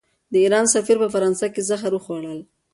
د ایران سفیر په فرانسه کې زهر وخوړل.